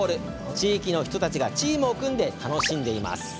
地域の人たちがチームを組んで楽しんでいるんです。